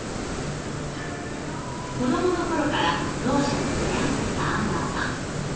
子どもの頃からろう者と触れ合ってきたアンバーさん。